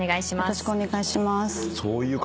よろしくお願いします。